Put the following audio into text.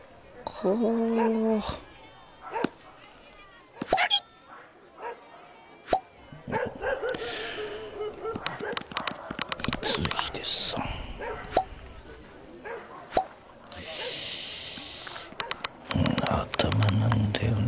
「こんな頭なんだよね」。